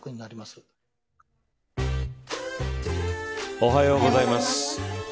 おはようございます。